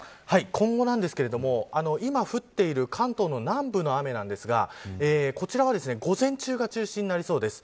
今後なんですけれども今、降っている関東の南部の雨なんですがこちらは午前中が中心になりそうです。